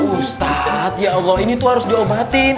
ustadz ya allah ini tuh harus diomatin